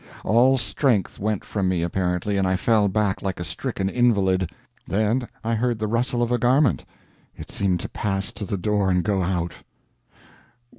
All strength went from me apparently, and I fell back like a stricken invalid. Then I heard the rustle of a garment it seemed to pass to the door and go out.